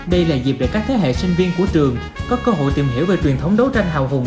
đây là dịp để các thế hệ sinh viên của trường có cơ hội tìm hiểu về truyền thống đấu tranh hào hùng